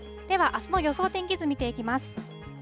ではあすの予想天気図見ていきます。